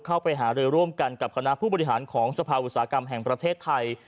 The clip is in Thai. เข้าไปหารือร่วมกันกับคณะผู้บริหารของสภาอุตสาหกรรมแห่งประเทศไทย